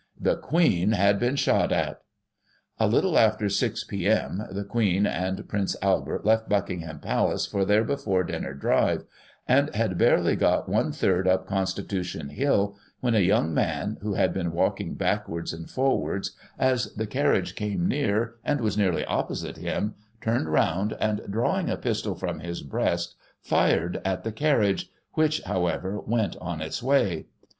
— The Queen had been Shot at!!! A little after 6 p.m. the Queen and Prince Albert left Buckingham Palace for their before dinner drive, and had barely got one third up Consti tution Hill, when a young man, who had been walking back wards and forwards, as the carriage came near, and was nearly opposite him, turned round, and, drawing a pistol from his breast, fired at the carriage, which, however, went on its way.